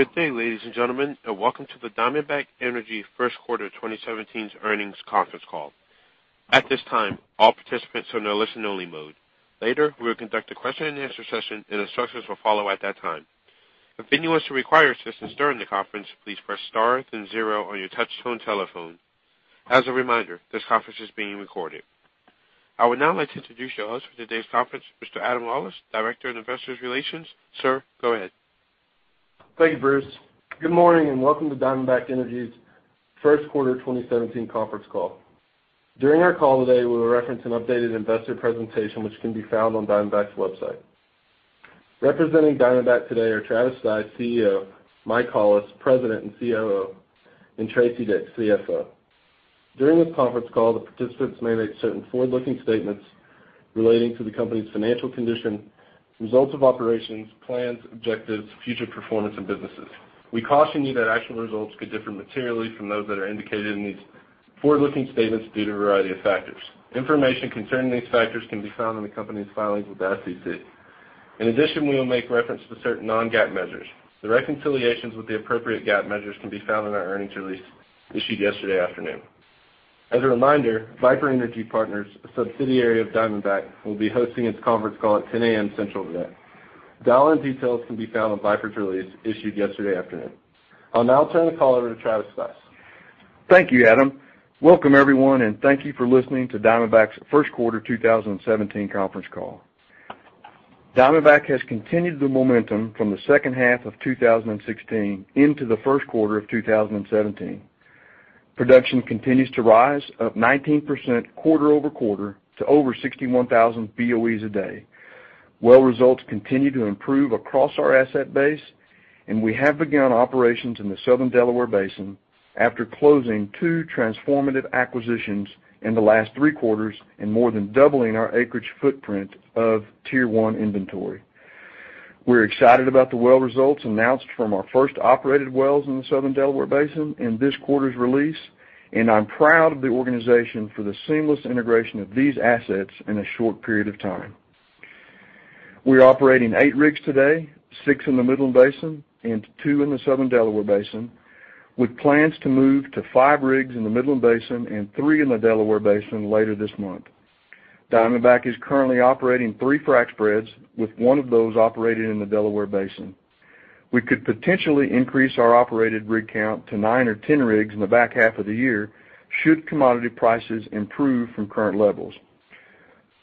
Good day, ladies and gentlemen. Welcome to the Diamondback Energy first quarter 2017's earnings conference call. At this time, all participants are in a listen only mode. Later, we will conduct a question and answer session. Instructions will follow at that time. If anyone should require assistance during the conference, please press star then zero on your touch-tone telephone. As a reminder, this conference is being recorded. I would now like to introduce your host for today's conference, Mr. Adam Lawlis, Director of Investor Relations. Sir, go ahead. Thank you, Bruce. Good morning. Welcome to Diamondback Energy's first quarter 2017 conference call. During our call today, we will reference an updated investor presentation which can be found on Diamondback's website. Representing Diamondback today are Travis Stice, CEO, Mike Hollis, President and COO, and Tracy Dick, CFO. During this conference call, the participants may make certain forward-looking statements relating to the company's financial condition, results of operations, plans, objectives, future performance and businesses. We caution you that actual results could differ materially from those that are indicated in these forward-looking statements due to a variety of factors. Information concerning these factors can be found in the company's filings with the SEC. In addition, we will make reference to certain non-GAAP measures. The reconciliations with the appropriate GAAP measures can be found in our earnings release issued yesterday afternoon. As a reminder, Viper Energy Partners, a subsidiary of Diamondback, will be hosting its conference call at 10:00 A.M. Central today. Dial-in details can be found on Viper's release issued yesterday afternoon. I'll now turn the call over to Travis Stice. Thank you, Adam. Welcome everyone. Thank you for listening to Diamondback's first quarter 2017 conference call. Diamondback has continued the momentum from the second half of 2016 into the first quarter of 2017. Production continues to rise up 19% quarter-over-quarter to over 61,000 BOEs a day. Well results continue to improve across our asset base. We have begun operations in the Southern Delaware Basin after closing two transformative acquisitions in the last three quarters and more than doubling our acreage footprint of Tier 1 inventory. We're excited about the well results announced from our first operated wells in the Southern Delaware Basin in this quarter's release, and I'm proud of the organization for the seamless integration of these assets in a short period of time. We are operating eight rigs today, six in the Midland Basin and two in the Southern Delaware Basin, with plans to move to five rigs in the Midland Basin and three in the Delaware Basin later this month. Diamondback is currently operating three frac spreads, with one of those operating in the Delaware Basin. We could potentially increase our operated rig count to nine or 10 rigs in the back half of the year should commodity prices improve from current levels.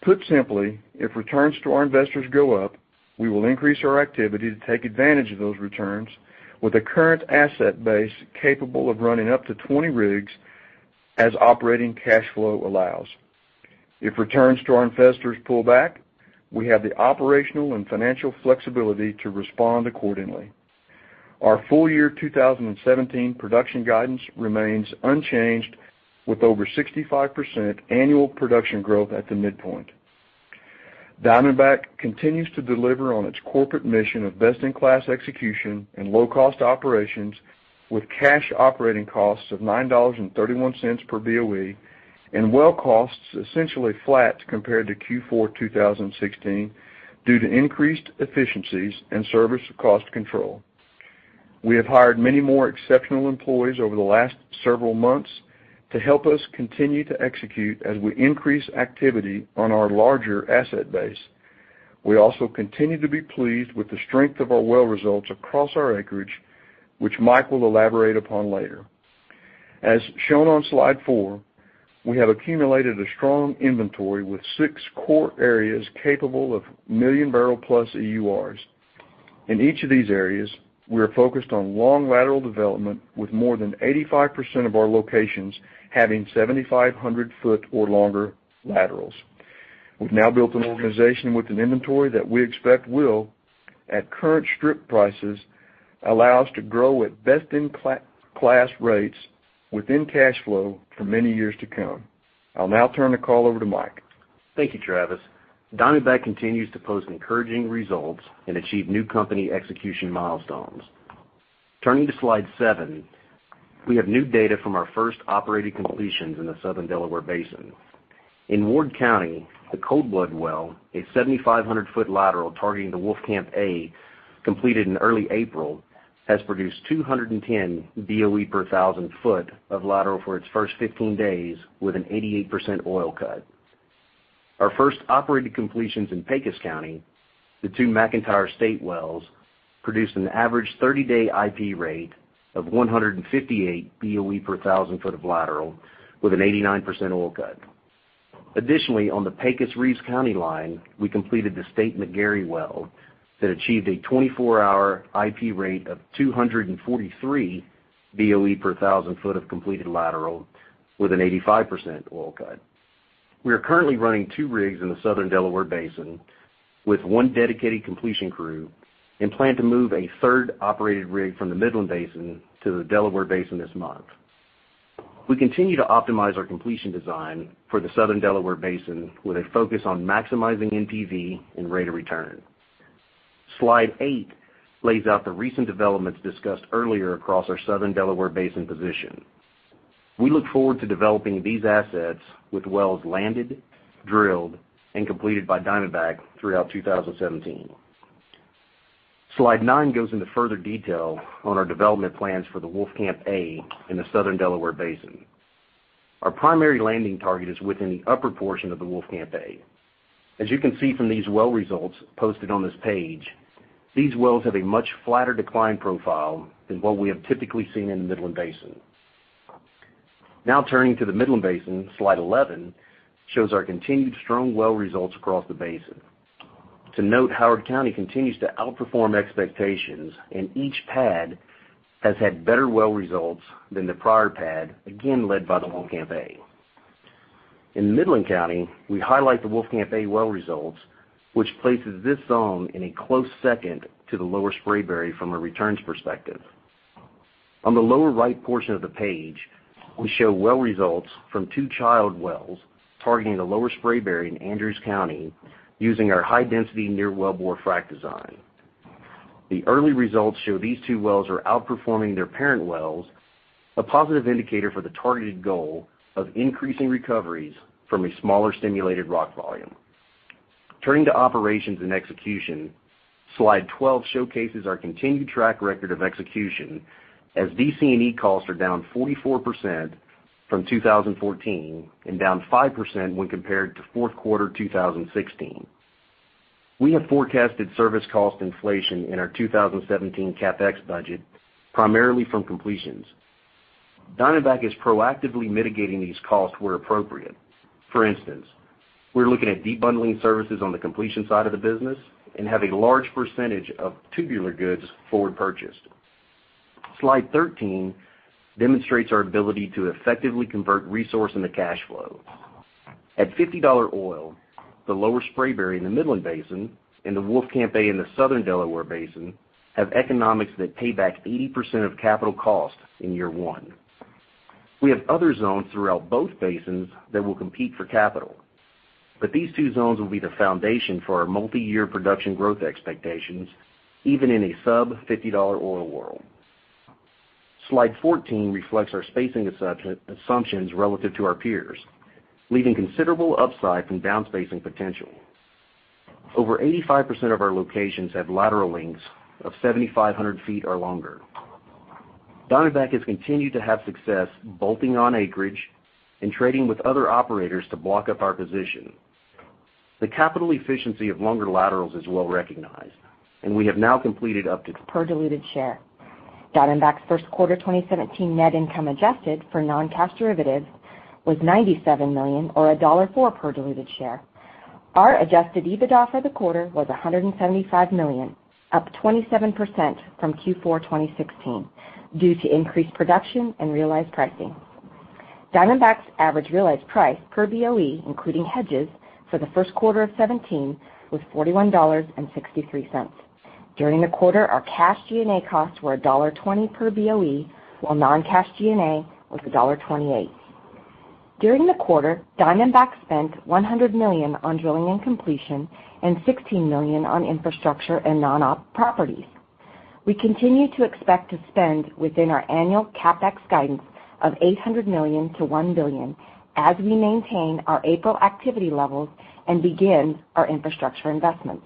Put simply, if returns to our investors go up, we will increase our activity to take advantage of those returns with a current asset base capable of running up to 20 rigs as operating cash flow allows. If returns to our investors pull back, we have the operational and financial flexibility to respond accordingly. Our full year 2017 production guidance remains unchanged with over 65% annual production growth at the midpoint. Diamondback continues to deliver on its corporate mission of best-in-class execution and low-cost operations with cash operating costs of $9.31 per BOE and well costs essentially flat compared to Q4 2016 due to increased efficiencies and service cost control. We have hired many more exceptional employees over the last several months to help us continue to execute as we increase activity on our larger asset base. We also continue to be pleased with the strength of our well results across our acreage, which Mike will elaborate upon later. As shown on slide four, we have accumulated a strong inventory with six core areas capable of million barrel plus EURs. In each of these areas, we are focused on long lateral development with more than 85% of our locations having 7,500 foot or longer laterals. We've now built an organization with an inventory that we expect will, at current strip prices, allow us to grow at best-in-class rates within cash flow for many years to come. I'll now turn the call over to Mike. Thank you, Travis. Diamondback continues to post encouraging results and achieve new company execution milestones. Turning to slide seven, we have new data from our first operated completions in the Southern Delaware Basin. In Ward County, the Coldblood well, a 7,500 foot lateral targeting the Wolfcamp A, completed in early April, has produced 210 BOE per 1,000 foot of lateral for its first 15 days with an 88% oil cut. Our first operated completions in Pecos County, the two McIntyre State wells, produced an average 30-day IP rate of 158 BOE per 1,000 foot of lateral with an 89% oil cut. Additionally, on the Pecos/Reeves County line, we completed the State McGary well that achieved a 24-hour IP rate of 243 BOE per 1,000 foot of completed lateral with an 85% oil cut. We are currently running two rigs in the Southern Delaware Basin with one dedicated completion crew and plan to move a third operated rig from the Midland Basin to the Delaware Basin this month. We continue to optimize our completion design for the Southern Delaware Basin with a focus on maximizing NPV and rate of return. Slide eight lays out the recent developments discussed earlier across our Southern Delaware Basin position. We look forward to developing these assets with wells landed, drilled, and completed by Diamondback throughout 2017. Slide nine goes into further detail on our development plans for the Wolfcamp A in the Southern Delaware Basin. Our primary landing target is within the upper portion of the Wolfcamp A. As you can see from these well results posted on this page, these wells have a much flatter decline profile than what we have typically seen in the Midland Basin. Turning to the Midland Basin, Slide 11 shows our continued strong well results across the basin. To note, Howard County continues to outperform expectations, and each pad has had better well results than the prior pad, again, led by the Wolfcamp A. In Midland County, we highlight the Wolfcamp A well results, which places this zone in a close second to the Lower Spraberry from a returns perspective. On the lower right portion of the page, we show well results from two child wells targeting the Lower Spraberry in Andrews County using our high-density near wellbore frack design. The early results show these two wells are outperforming their parent wells, a positive indicator for the targeted goal of increasing recoveries from a smaller stimulated rock volume. Turning to operations and execution, Slide 12 showcases our continued track record of execution as DC&E costs are down 44% from 2014 and down 5% when compared to fourth quarter 2016. We have forecasted service cost inflation in our 2017 CapEx budget, primarily from completions. Diamondback is proactively mitigating these costs where appropriate. For instance, we're looking at deep bundling services on the completion side of the business and have a large percentage of tubular goods forward purchased. Slide 13 demonstrates our ability to effectively convert resource into cash flow. At $50 oil, the Lower Spraberry in the Midland Basin and the Wolfcamp A in the Southern Delaware Basin have economics that pay back 80% of capital costs in year one. We have other zones throughout both basins that will compete for capital. These two zones will be the foundation for our multi-year production growth expectations, even in a sub-$50 oil world. Slide 14 reflects our spacing assumptions relative to our peers, leaving considerable upside from down spacing potential. Over 85% of our locations have lateral lengths of 7,500 feet or longer. Diamondback has continued to have success bolting on acreage and trading with other operators to block up our position. The capital efficiency of longer laterals is well recognized, and we have now completed up to- Per diluted share. Diamondback's first quarter 2017 net income adjusted for non-cash derivatives was $97 million, or $1.04 per diluted share. Our adjusted EBITDA for the quarter was $175 million, up 27% from Q4 2016 due to increased production and realized pricing. Diamondback's average realized price per BOE, including hedges for the first quarter of 2017, was $41.63. During the quarter, our cash G&A costs were $1.20 per BOE, while non-cash G&A was $1.28. During the quarter, Diamondback spent $100 million on drilling and completion and $16 million on infrastructure and non-op properties. We continue to expect to spend within our annual CapEx guidance of $800 million-$1 billion as we maintain our April activity levels and begin our infrastructure investments.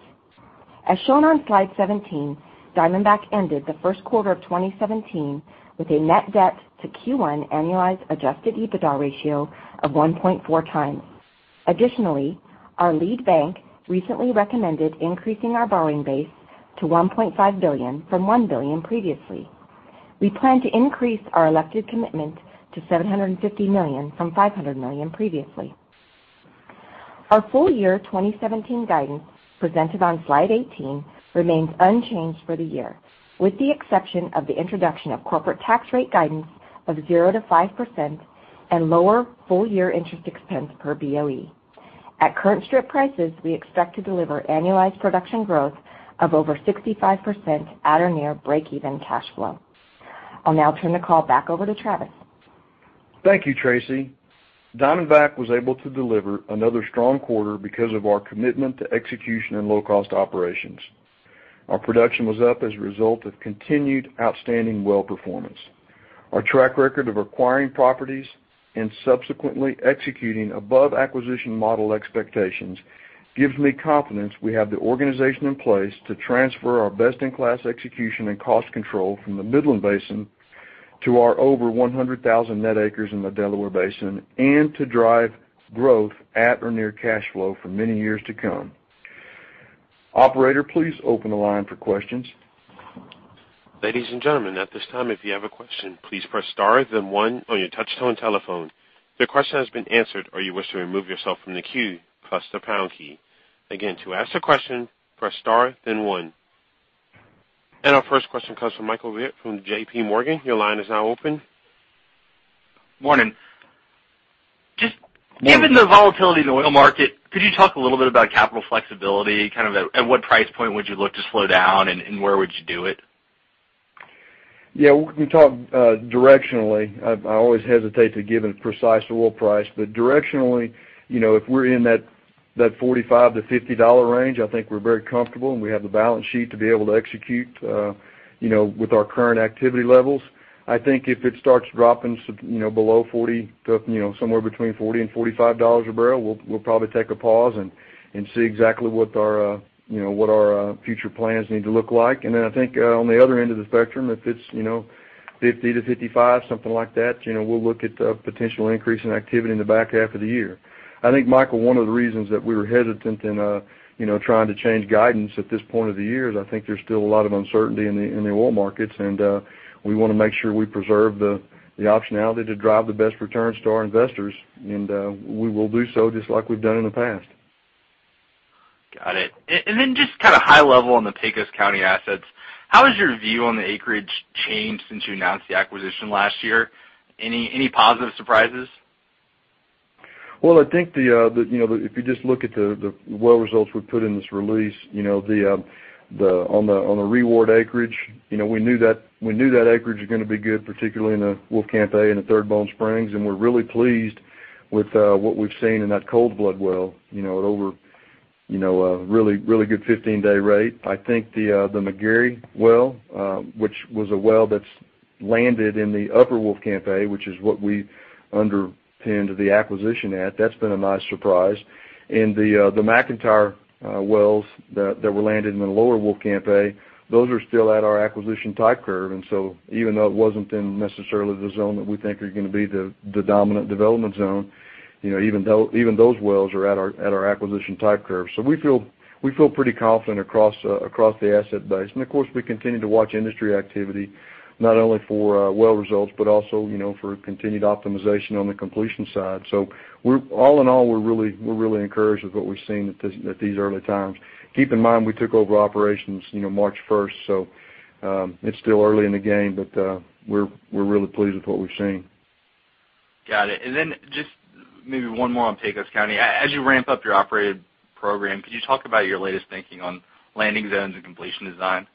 As shown on slide 17, Diamondback ended the first quarter of 2017 with a net debt to Q1 annualized adjusted EBITDA ratio of 1.4 times. Our lead bank recently recommended increasing our borrowing base to $1.5 billion-$1 billion previously. We plan to increase our elected commitment to $750 million-$500 million previously. Our full year 2017 guidance, presented on slide 18, remains unchanged for the year, with the exception of the introduction of corporate tax rate guidance of 0%-5% and lower full-year interest expense per BOE. At current strip prices, we expect to deliver annualized production growth of over 65% at or near break-even cash flow. I'll now turn the call back over to Travis. Thank you, Tracy. Diamondback was able to deliver another strong quarter because of our commitment to execution and low-cost operations. Our production was up as a result of continued outstanding well performance. Our track record of acquiring properties and subsequently executing above acquisition model expectations gives me confidence we have the organization in place to transfer our best-in-class execution and cost control from the Midland Basin to our over 100,000 net acres in the Delaware Basin and to drive growth at or near cash flow for many years to come. Operator, please open the line for questions. Ladies and gentlemen, at this time, if you have a question, please press star then one on your touchtone telephone. If your question has been answered, or you wish to remove yourself from the queue, press the pound key. Again, to ask a question, press star, then one. Our first question comes from Michael Witte from JPMorgan. Your line is now open. Morning. Morning Given the volatility in the oil market, could you talk a little bit about capital flexibility? Kind of at what price point would you look to slow down and where would you do it? Yeah. We can talk directionally. I always hesitate to give a precise oil price. Directionally, if we're in that That $45-$50 range, I think we're very comfortable, and we have the balance sheet to be able to execute with our current activity levels. I think if it starts dropping below somewhere between $40 and $45 a barrel, we'll probably take a pause and see exactly what our future plans need to look like. Then I think on the other end of the spectrum, if it's $50-$55, something like that, we'll look at a potential increase in activity in the back half of the year. I think, Michael, one of the reasons that we were hesitant in trying to change guidance at this point of the year is I think there's still a lot of uncertainty in the oil markets. We want to make sure we preserve the optionality to drive the best returns to our investors. We will do so just like we've done in the past. Got it. Just high level on the Pecos County assets, how has your view on the acreage changed since you announced the acquisition last year? Any positive surprises? Well, I think if you just look at the well results we've put in this release, on the Reward acreage, we knew that acreage was going to be good, particularly in the Wolfcamp A, and the Third Bone Spring. We're really pleased with what we've seen in that Cold Blood well, at over a really good 15-day rate. I think the McGary well which was a well that's landed in the Upper Wolfcamp A, which is what we underpinned the acquisition at, that's been a nice surprise. The McIntyre wells that were landed in the Lower Wolfcamp A, those are still at our acquisition type curve. Even though it wasn't in necessarily the zone that we think are going to be the dominant development zone, even those wells are at our acquisition type curve. We feel pretty confident across the asset base. Of course, we continue to watch industry activity, not only for well results, but also for continued optimization on the completion side. All in all, we're really encouraged with what we've seen at these early times. Keep in mind, we took over operations March 1st. It's still early in the game, but we're really pleased with what we've seen. Got it. Just maybe one more on Pecos County. As you ramp up your operated program, could you talk about your latest thinking on landing zones and completion design?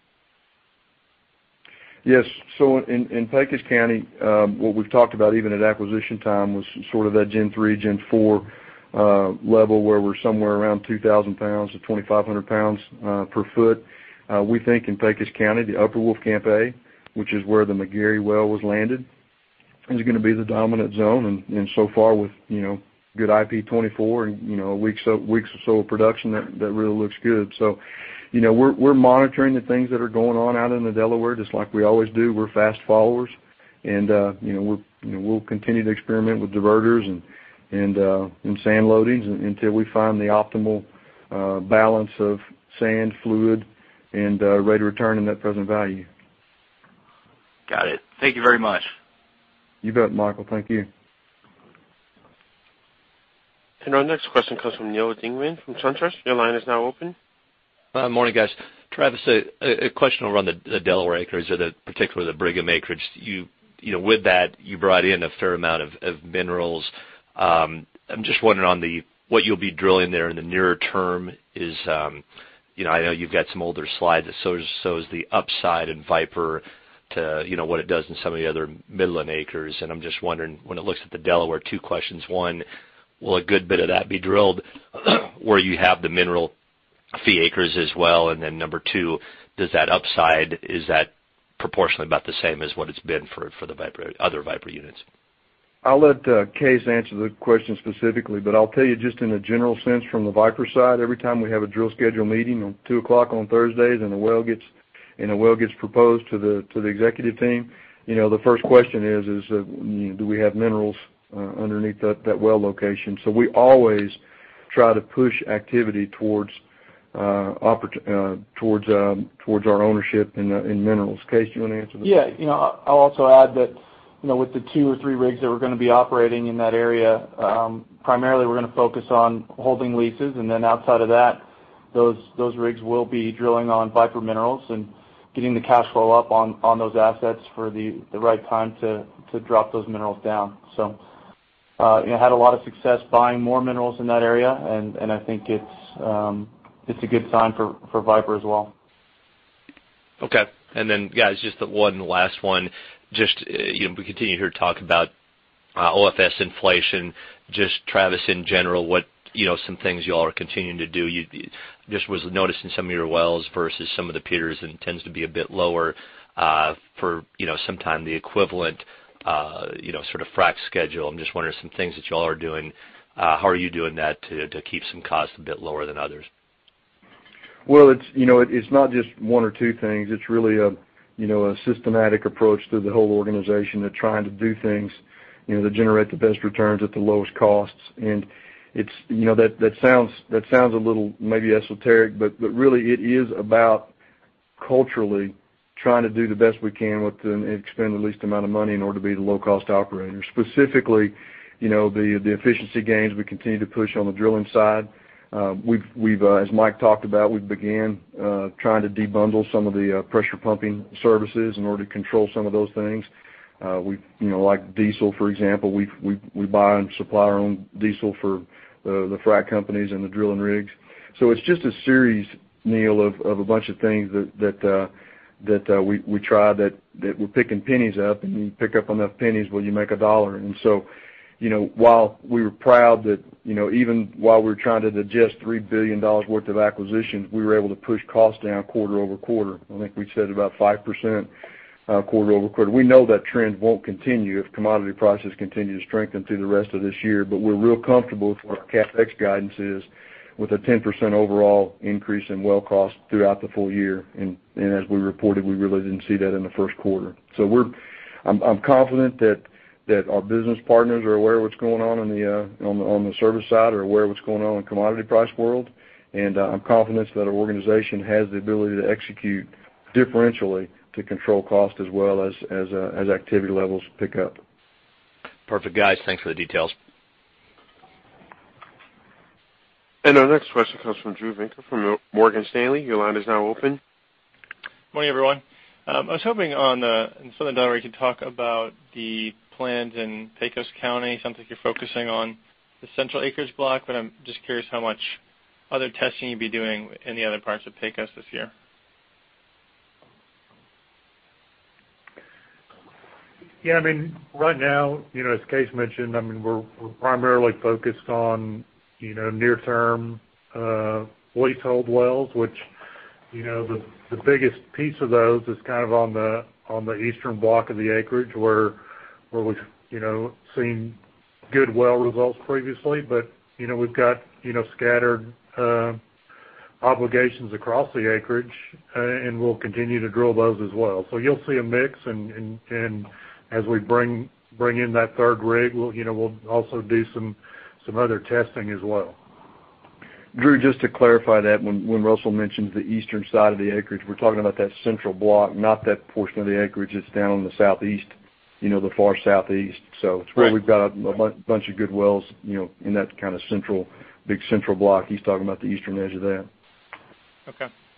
Yes. In Pecos County, what we've talked about even at acquisition time was sort of that Gen 3, Gen 4 level, where we're somewhere around 2,000 pounds to 2,500 pounds per foot. We think in Pecos County, the Upper Wolfcamp A, which is where the McGary well was landed, is going to be the dominant zone. So far with good IP 24 and a week or so of production, that really looks good. We're monitoring the things that are going on out in the Delaware, just like we always do. We're fast followers. We'll continue to experiment with diverters and sand loadings until we find the optimal balance of sand, fluid, and rate of return in net present value. Got it. Thank you very much. You bet, Michael. Thank you. Our next question comes from Neal Dingmann from SunTrust. Your line is now open. Morning, guys. Travis, a question around the Delaware acres, particularly the Brigham acreage. With that, you brought in a fair amount of minerals. I'm just wondering on what you'll be drilling there in the nearer term is, I know you've got some older slides that shows the upside in Viper to what it does in some of the other Midland acres, and I'm just wondering, when it looks at the Delaware, two questions. One, will a good bit of that be drilled where you have the mineral fee acres as well? Then number 2, does that upside, is that proportionally about the same as what it's been for the other Viper units? I'll let Kaes answer the question specifically, but I'll tell you just in a general sense from the Viper side, every time we have a drill schedule meeting on 2:00 on Thursdays and a well gets proposed to the executive team, the first question is, do we have minerals underneath that well location? We always try to push activity towards our ownership in minerals. Kaes, you want to answer this? Yeah. I'll also add that with the two or three rigs that we're going to be operating in that area, primarily we're going to focus on holding leases, and then outside of that, those rigs will be drilling on Viper minerals and getting the cash flow up on those assets for the right time to drop those minerals down. Had a lot of success buying more minerals in that area, and I think it's a good sign for Viper as well. Okay. Guys, just one last one. Just, we continue to hear talk about OFS inflation. Just Travis, in general, what some things you all are continuing to do? Just was noticing some of your wells versus some of the peers and tends to be a bit lower for sometime the equivalent sort of frack schedule. I am just wondering some things that you all are doing. How are you doing that to keep some costs a bit lower than others? Well, it's not just one or two things. It's really a systematic approach through the whole organization to trying to do things to generate the best returns at the lowest costs. That sounds a little maybe esoteric, but really it is about culturally trying to do the best we can and expend the least amount of money in order to be the low-cost operator. Specifically, the efficiency gains we continue to push on the drilling side. As Mike talked about, we've began trying to debundle some of the pressure pumping services in order to control some of those things. Like diesel, for example, we buy and supply our own diesel for the frack companies and the drilling rigs. It's just a series, Neal, of a bunch of things that we try that we're picking pennies up, and you pick up enough pennies, well, you make a dollar. While we were proud that even while we were trying to digest $3 billion worth of acquisitions, we were able to push costs down quarter-over-quarter. I think we said about 5% quarter-over-quarter. We know that trend won't continue if commodity prices continue to strengthen through the rest of this year, but we're real comfortable with where our CapEx guidance is, with a 10% overall increase in well cost throughout the full year. As we reported, we really didn't see that in the first quarter. I'm confident that our business partners are aware of what's going on the service side, are aware of what's going on in the commodity price world. I'm confident that our organization has the ability to execute differentially to control cost as well as activity levels pick up. Perfect. Guys, thanks for the details. Our next question comes from Drew Winkler from Morgan Stanley. Your line is now open. Morning, everyone. I was hoping on the Southern Delaware, you could talk about the plans in Pecos County, sounds like you're focusing on the central acreage block, but I'm just curious how much other testing you'll be doing in the other parts of Pecos this year. Right now, as Kaes mentioned, we're primarily focused on near-term leasehold wells, which the biggest piece of those is on the eastern block of the acreage where we've seen good well results previously. We've got scattered obligations across the acreage, and we'll continue to drill those as well. You'll see a mix, and as we bring in that third rig, we'll also do some other testing as well. Drew, just to clarify that, when Russell mentions the eastern side of the acreage, we're talking about that central block, not that portion of the acreage that's down on the southeast, the far southeast. Right. It's where we've got a bunch of good wells, in that big central block. He's talking about the eastern edge of that.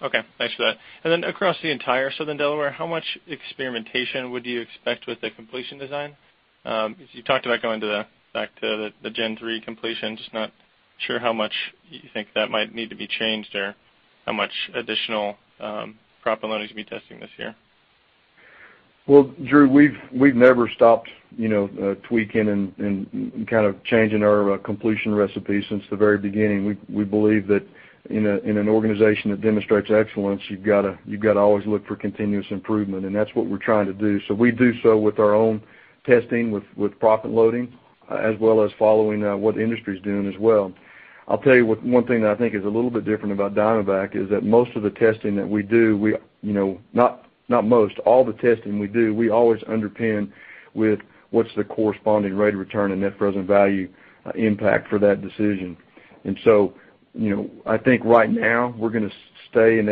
Okay. Thanks for that. Then across the entire Southern Delaware, how much experimentation would you expect with the completion design? Because you talked about going back to the Gen 3 completion, just not sure how much you think that might need to be changed there. How much additional proppant loading you'll be testing this year? Well, Drew, we've never stopped tweaking and changing our completion recipe since the very beginning. We believe that in an organization that demonstrates excellence, you've got to always look for continuous improvement, and that's what we're trying to do. We do so with our own testing, with proppant loading, as well as following what the industry's doing as well. I'll tell you one thing that I think is a little bit different about Diamondback is that most of the testing that we do, not most, all the testing we do, we always underpin with what's the corresponding rate of return and net present value impact for that decision. I think right now we're going to stay in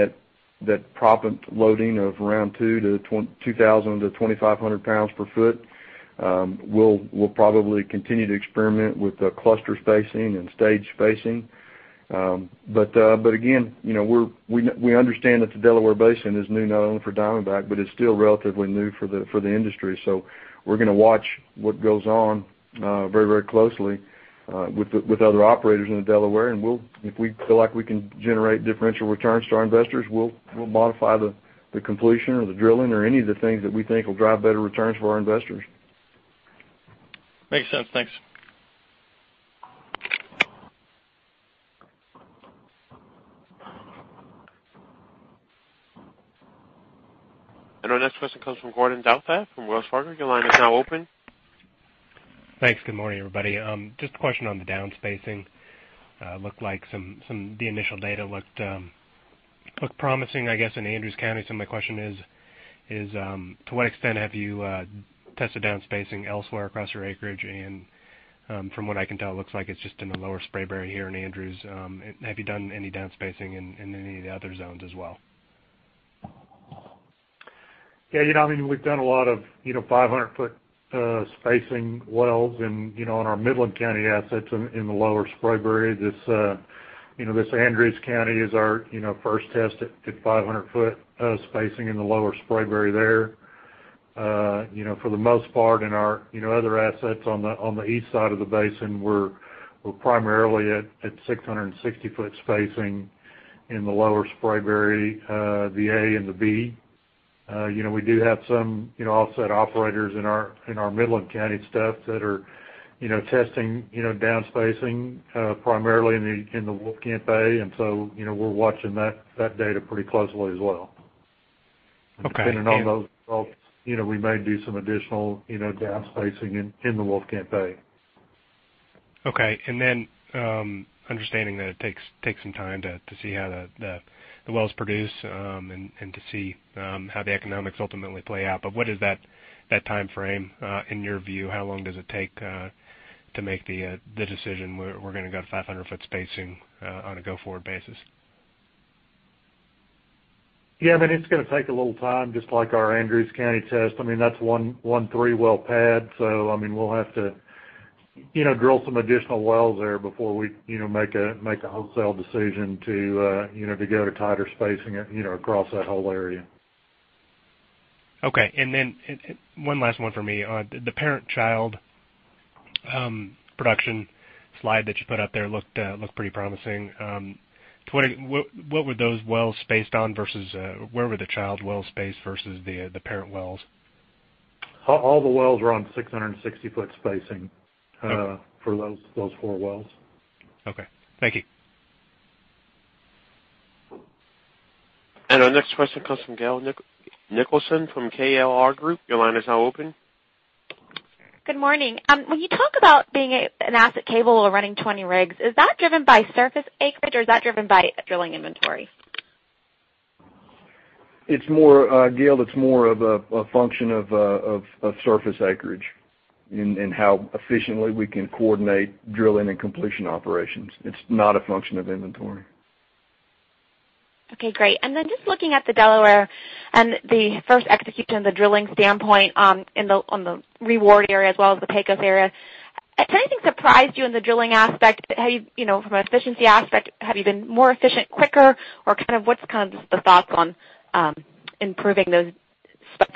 that proppant loading of around 2,000-2,500 pounds per foot. We'll probably continue to experiment with the cluster spacing and stage spacing. Again, we understand that the Delaware Basin is new not only for Diamondback, but it's still relatively new for the industry. We're going to watch what goes on very closely with other operators in the Delaware, and if we feel like we can generate differential returns to our investors, we'll modify the completion or the drilling or any of the things that we think will drive better returns for our investors. Makes sense. Thanks. Our next question comes from Gordon Douthat from Wells Fargo. Your line is now open. Thanks. Good morning, everybody. Just a question on the downspacing. Looked like the initial data looked promising, I guess, in Andrews County. My question is, to what extent have you tested downspacing elsewhere across your acreage? From what I can tell, it looks like it's just in the Lower Spraberry here in Andrews. Have you done any downspacing in any of the other zones as well? Yeah, we've done a lot of 500-foot spacing wells in our Midland County assets in the Lower Spraberry. This Andrews County is our first test at 500-foot spacing in the Lower Spraberry there. For the most part, in our other assets on the east side of the basin, we're primarily at 660-foot spacing in the Lower Spraberry, the A and the B. We do have some offset operators in our Midland County stuff that are testing downspacing primarily in the Wolfcamp A, and so we're watching that data pretty closely as well. Okay. Depending on those results, we may do some additional downspacing in the Wolfcamp A. Okay. Then, understanding that it takes some time to see how the wells produce and to see how the economics ultimately play out. What is that timeframe, in your view? How long does it take to make the decision, we're going to go to 500-foot spacing on a go-forward basis? Yeah, it's going to take a little time, just like our Andrews County test. That's one three-well pad. We'll have to drill some additional wells there before we make a wholesale decision to go to tighter spacing across that whole area. Okay. Then one last one for me. On the parent-child production. slide that you put up there looked pretty promising. What were those wells spaced on versus where were the child wells spaced versus the parent wells? All the wells were on 660-foot spacing for those four wells. Okay. Thank you. Our next question comes from Gail Nicholson from KLR Group. Your line is now open. Good morning. When you talk about being an asset cable or running 20 rigs, is that driven by surface acreage or is that driven by drilling inventory? Gail, it's more of a function of surface acreage and how efficiently we can coordinate drilling and completion operations. It's not a function of inventory. Okay, great. Just looking at the Delaware and the first execution of the drilling standpoint on the Reward area as well as the Pecos area, has anything surprised you in the drilling aspect? From an efficiency aspect, have you been more efficient quicker, or what's the thoughts on improving those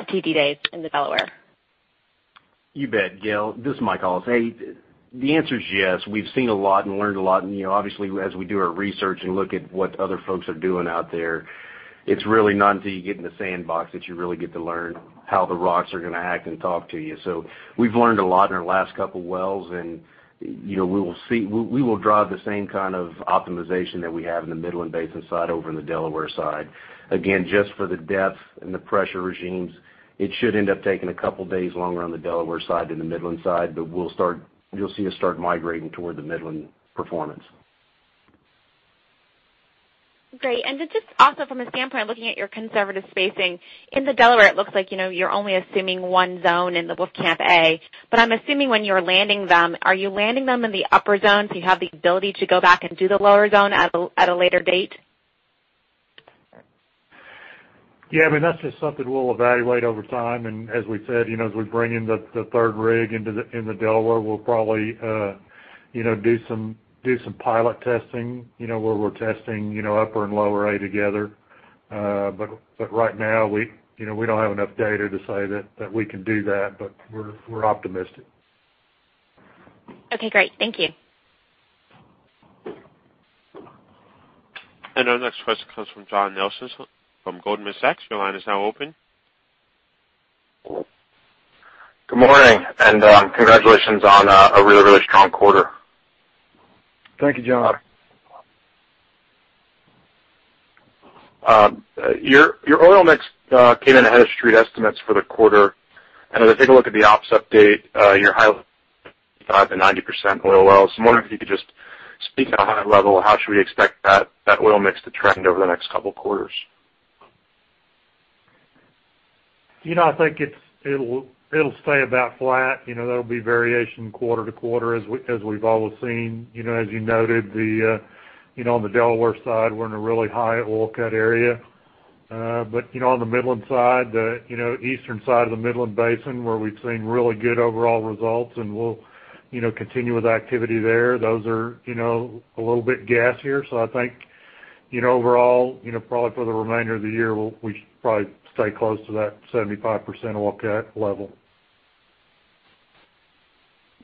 TD days in Delaware? You bet, Gail. This is Michael Hollis. The answer is yes. We've seen a lot and learned a lot, obviously as we do our research and look at what other folks are doing out there, it's really not until you get in the sandbox that you really get to learn how the rocks are going to act and talk to you. We've learned a lot in our last couple of wells, we will drive the same kind of optimization that we have in the Midland Basin side over in the Delaware side. Again, just for the depth and the pressure regimes, it should end up taking a couple of days longer on the Delaware side than the Midland side, you'll see us start migrating toward the Midland performance. Great. Then just also from a standpoint of looking at your conservative spacing. In the Delaware, it looks like you're only assuming one zone in the Wolfcamp A. I'm assuming when you're landing them, are you landing them in the upper zone so you have the ability to go back and do the lower zone at a later date? Yeah, that's just something we'll evaluate over time, and as we said, as we bring in the third rig in the Delaware, we'll probably do some pilot testing where we're testing upper and lower A together. Right now, we don't have enough data to say that we can do that, we're optimistic. Okay, great. Thank you. Our next question comes from John Nelson from Goldman Sachs. Your line is now open. Good morning, and congratulations on a really, really strong quarter. Thank you, John. Your oil mix came in ahead of street estimates for the quarter, and as I take a look at the ops update, your high the 90% oil wells. I'm wondering if you could just speak at a high level, how should we expect that oil mix to trend over the next couple of quarters? I think it'll stay about flat. There'll be variation quarter to quarter as we've always seen. As you noted, on the Delaware side, we're in a really high oil cut area. On the Midland side, the eastern side of the Midland Basin, where we've seen really good overall results, and we'll continue with activity there. Those are a little bit gassier. I think overall, probably for the remainder of the year, we should probably stay close to that 75% oil cut level.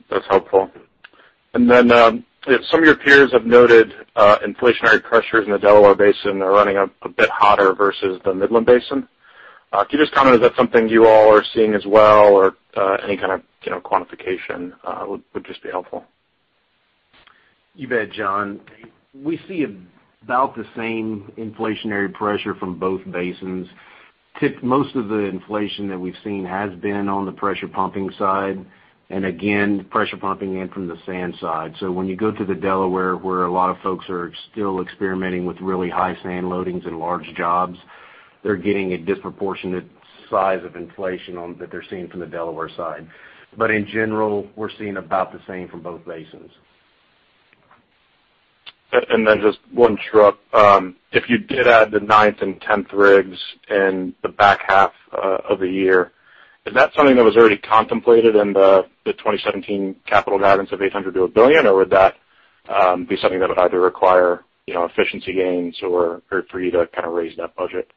That's helpful. Some of your peers have noted inflationary pressures in the Delaware Basin are running a bit hotter versus the Midland Basin. Can you just comment, is that something you all are seeing as well, or any kind of quantification would just be helpful. You bet, John. We see about the same inflationary pressure from both basins. Most of the inflation that we've seen has been on the pressure pumping side, and again, pressure pumping and from the sand side. When you go to the Delaware, where a lot of folks are still experimenting with really high sand loadings and large jobs, they're getting a disproportionate size of inflation that they're seeing from the Delaware side. In general, we're seeing about the same from both basins. Just one shrug. If you did add the ninth and 10th rigs in the back half of the year, is that something that was already contemplated in the 2017 capital guidance of $800 million to $1 billion, would that be something that would either require efficiency gains or for you to raise that budget?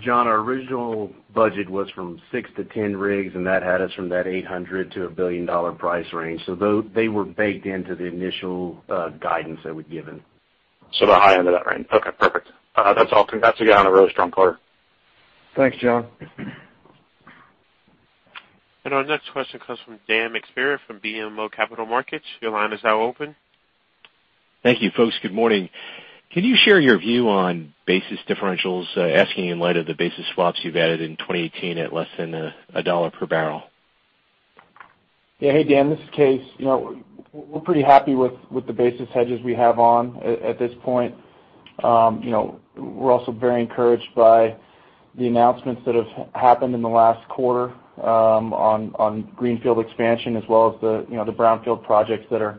John, our original budget was from six to 10 rigs, that had us from that $800 million to $1 billion price range. They were baked into the initial guidance that we'd given. The high end of that range. Okay, perfect. That's all. Congrats again on a really strong quarter. Thanks, John. Our next question comes from Dan McSpirit from BMO Capital Markets. Your line is now open. Thank you, folks. Good morning. Can you share your view on basis differentials, asking in light of the basis swaps you've added in 2018 at less than $1 per barrel? Yeah. Hey, Dan, this is Kaes. We're pretty happy with the basis hedges we have on at this point. We're also very encouraged by the announcements that have happened in the last quarter on greenfield expansion as well as the brownfield projects that are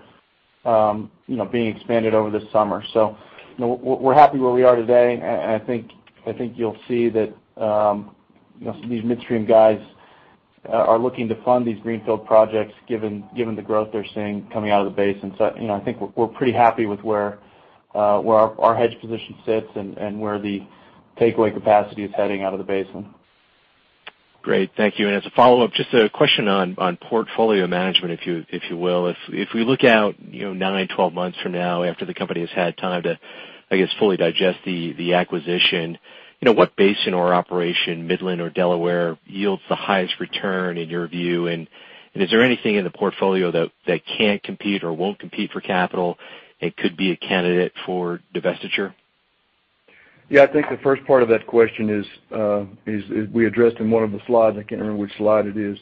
being expanded over this summer. We're happy where we are today, and I think you'll see that these midstream guys are looking to fund these greenfield projects given the growth they're seeing coming out of the basin. I think we're pretty happy with where our hedge position sits and where the takeaway capacity is heading out of the basin. Great. Thank you. As a follow-up, just a question on portfolio management, if you will. If we look out nine, 12 months from now after the company has had time to, I guess, fully digest the acquisition, what basin or operation, Midland or Delaware, yields the highest return in your view? Is there anything in the portfolio that can't compete or won't compete for capital and could be a candidate for divestiture? Yeah, I think the first part of that question we addressed in one of the slides. I can't remember which slide it is.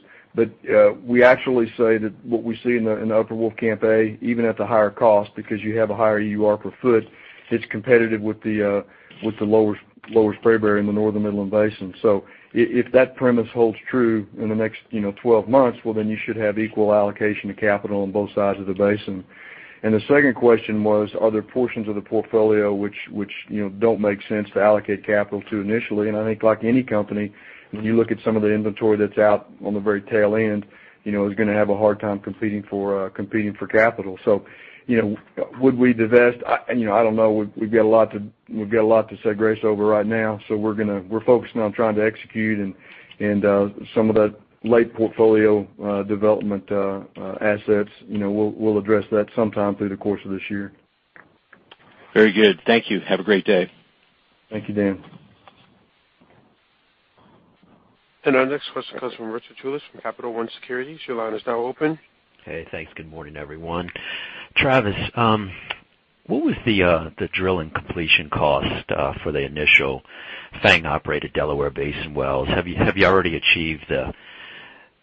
We actually say that what we see in the Upper Wolfcamp A, even at the higher cost, because you have a higher EUR per foot, it's competitive with the Lower Spraberry in the Northern Midland Basin. If that premise holds true in the next 12 months, well, then you should have equal allocation to capital on both sides of the basin. The second question was, are there portions of the portfolio which don't make sense to allocate capital to initially? I think, like any company, when you look at some of the inventory that's out on the very tail end, is going to have a hard time competing for capital. Would we divest? I don't know. We've got a lot to segregate over right now. We're focusing on trying to execute, and some of that late portfolio development assets, we'll address that sometime through the course of this year. Very good. Thank you. Have a great day. Thank you, Dan. Our next question comes from Richard Giles from Capital One Securities. Your line is now open. Hey, thanks. Good morning, everyone. Travis, what was the drilling completion cost for the initial FANG-operated Delaware Basin wells? Have you already achieved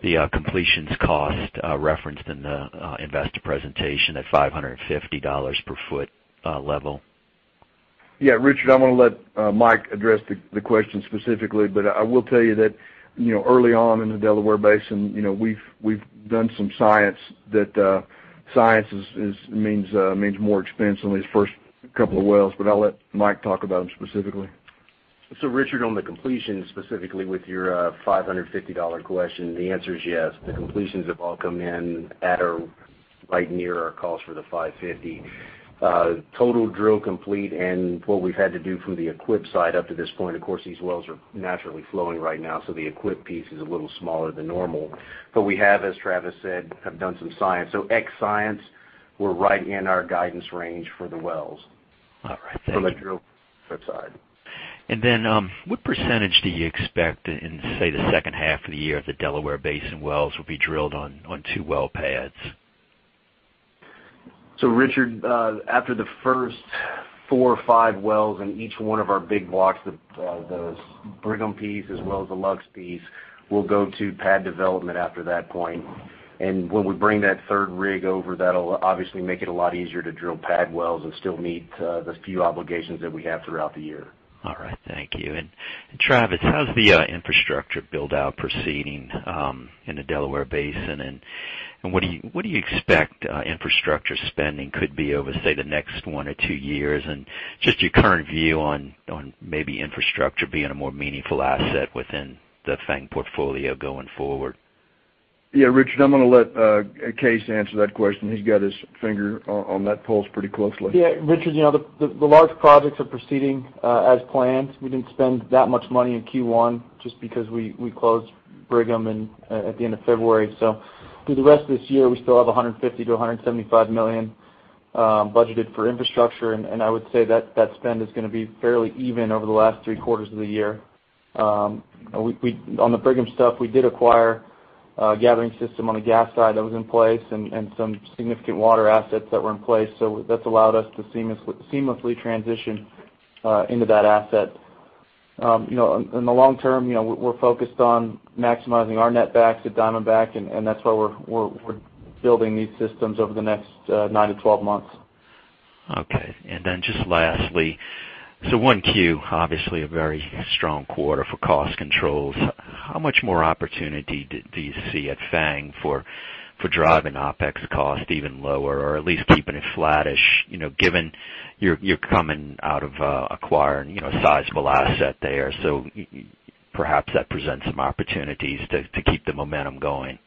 the completions cost referenced in the investor presentation at $550 per foot level? Yeah, Richard, I'm going to let Mike address the question specifically. I will tell you that early on in the Delaware Basin, we've done some science. That science means more expense on these first couple of wells. I'll let Mike talk about them specifically. Richard, on the completion specifically with your $550 question, the answer is yes. The completions have all come in at or right near our cost for the $550. Total drill complete and what we've had to do from the equip side up to this point, of course, these wells are naturally flowing right now, the equip piece is a little smaller than normal. We have, as Travis said, done some science. Ex-science, we're right in our guidance range for the wells. All right. Thank you. From the drill side. What percentage do you expect in, say, the second half of the year of the Delaware Basin wells will be drilled on two well pads? Richard, after the first four or five wells in each one of our big blocks, the Brigham piece as well as the Luxe piece, will go to pad development after that point. When we bring that third rig over, that'll obviously make it a lot easier to drill pad wells and still meet the few obligations that we have throughout the year. All right, thank you. Travis, how's the infrastructure build-out proceeding in the Delaware Basin, and what do you expect infrastructure spending could be over, say, the next one or two years? Just your current view on maybe infrastructure being a more meaningful asset within the FANG portfolio going forward. Yeah, Richard, I'm going to let Kaes answer that question. He's got his finger on that pulse pretty closely. Yeah, Richard, the large projects are proceeding as planned. We didn't spend that much money in Q1 just because we closed Brigham at the end of February. Through the rest of this year, we still have $150 million-$175 million budgeted for infrastructure, and I would say that spend is going to be fairly even over the last three quarters of the year. On the Brigham stuff, we did acquire a gathering system on the gas side that was in place and some significant water assets that were in place. That's allowed us to seamlessly transition into that asset. In the long term, we're focused on maximizing our net backs at Diamondback, and that's why we're building these systems over the next nine to 12 months. Okay. Just lastly, 1Q, obviously a very strong quarter for cost controls. How much more opportunity do you see at FANG for driving OPEX cost even lower or at least keeping it flattish, given you're coming out of acquiring a sizable asset there? Perhaps that presents some opportunities to keep the momentum going.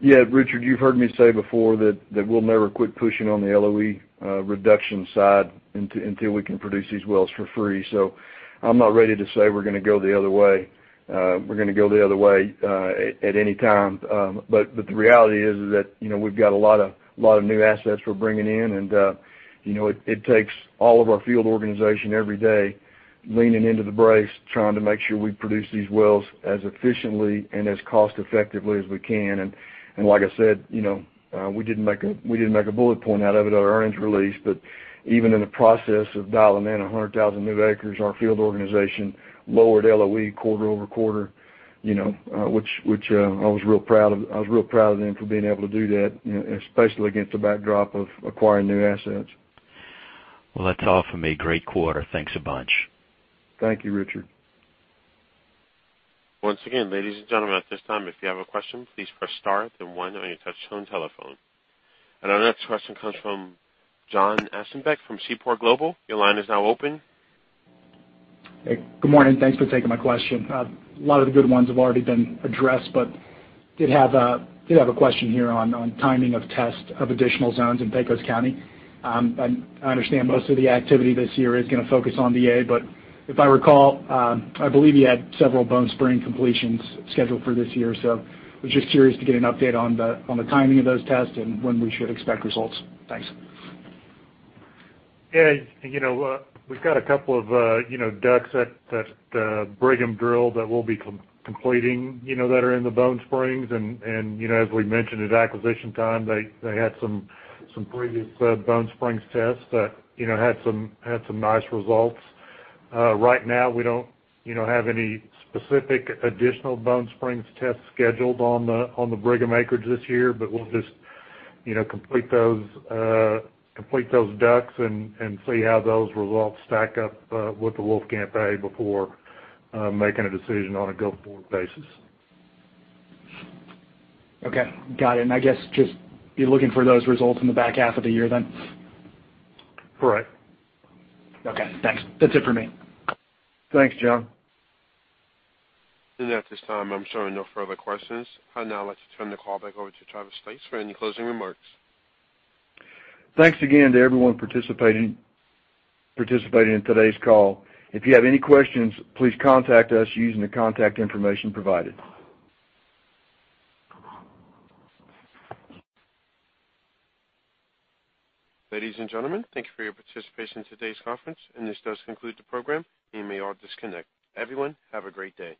Yeah, Richard, you've heard me say before that we'll never quit pushing on the LOE reduction side until we can produce these wells for free. I'm not ready to say we're going to go the other way at any time. The reality is that we've got a lot of new assets we're bringing in, and it takes all of our field organization every day leaning into the brace, trying to make sure we produce these wells as efficiently and as cost-effectively as we can. Like I said, we didn't make a bullet point out of it at our earnings release, but even in the process of dialing in 100,000 new acres, our field organization lowered LOE quarter-over-quarter, which I was real proud of them for being able to do that, especially against the backdrop of acquiring new assets. Well, that's all for me. Great quarter. Thanks a bunch. Thank you, Richard. Once again, ladies and gentlemen, at this time, if you have a question, please press star then one on your touchtone telephone. Our next question comes from John Aschenbeck from Seaport Global. Your line is now open. Hey, good morning. Thanks for taking my question. A lot of the good ones have already been addressed, did have a question here on timing of test of additional zones in Pecos County. I understand most of the activity this year is going to focus on Wolfcamp A, if I recall, I believe you had several Bone Spring completions scheduled for this year. I was just curious to get an update on the timing of those tests and when we should expect results. Thanks. Yeah. We've got a couple of DUCs at the Brigham drill that we'll be completing that are in the Bone Springs, as we mentioned at acquisition time, they had some previous Bone Springs tests that had some nice results. Right now, we don't have any specific additional Bone Springs tests scheduled on the Brigham acreage this year, we'll just complete those DUCs and see how those results stack up with the Wolfcamp A before making a decision on a go-forward basis. Okay, got it. I guess just be looking for those results in the back half of the year then? Correct. Okay, thanks. That's it for me. Thanks, John. At this time, I'm showing no further questions. I'd now like to turn the call back over to Travis Stice for any closing remarks. Thanks again to everyone participating in today's call. If you have any questions, please contact us using the contact information provided. Ladies and gentlemen, thank you for your participation in today's conference. This does conclude the program. You may all disconnect. Everyone, have a great day.